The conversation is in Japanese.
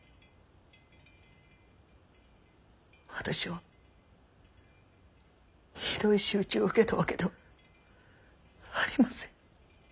私はひどい仕打ちを受けたわけではありません。